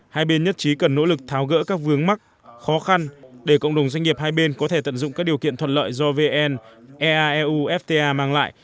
hai bên nhất trí cần nỗ lực tháo gỡ các vướng mắc khó khăn để cộng đồng doanh nghiệp hai bên có thể tận dụng các điều kiện thuận lợi do vn eae fta mang lại